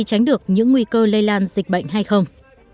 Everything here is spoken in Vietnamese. tránh được những nguy cơ lây lan dịch bệnh hay không